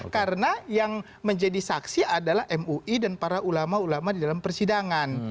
karena yang menjadi saksi adalah mui dan para ulama ulama di dalam persidangan